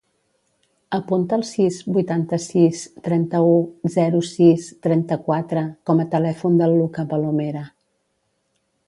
Apunta el sis, vuitanta-sis, trenta-u, zero, sis, trenta-quatre com a telèfon del Lucca Palomera.